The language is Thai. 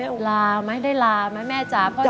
ต้องลาไม่ได้ลาแม่จ้าพ่อจ๋า